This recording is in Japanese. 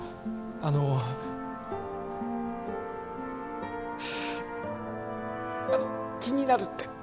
あのあの「気になる」って